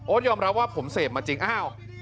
ยอมรับว่าผมเสพมาจริงอ้าว